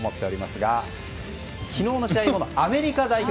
昨日の試合後のアメリカ代表。